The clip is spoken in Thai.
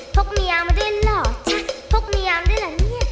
พกมียามด้วยเหรอพกมียามด้วยเหรอเนี่ย